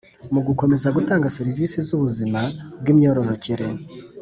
mu gukomeza gutanga serivisi z’ubuzima bw’imyororokere